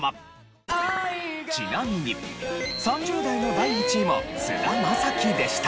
ちなみに３０代の第１位も菅田将暉でした。